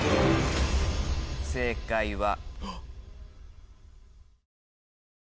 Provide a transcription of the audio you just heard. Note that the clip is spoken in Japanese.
正解は。